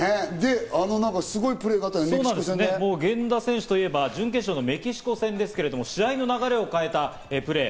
源田選手といえば準決勝のメキシコ戦ですけど、試合の流れを変えたプレー。